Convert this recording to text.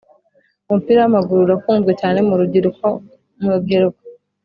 umupira wamaguru urakunzwe cyane murubyiruko mu rubyiruko